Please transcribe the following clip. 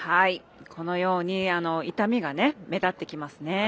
このように傷みが目立ってきますね。